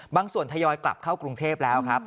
บางส่วนทยอยกลับเข้ากรุงเทพแล้วครับ